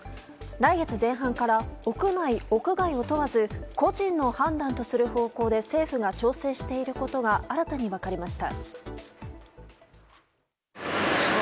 来月前半から屋内・屋外を問わず個人の判断とする方向で政府が調整していることが新たに分かりました。